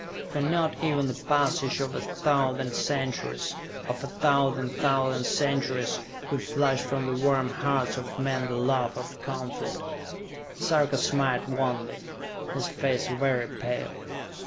For not even the passage of a thousand centuries, or a thousand thousand centuries, could flush from the warm hearts of men the love of conflict! Sarka smiled wanly, his face very pale.